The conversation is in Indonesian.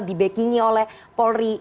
dibacking nya oleh polri